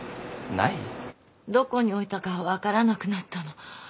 どこに置いたか分からなくなったの。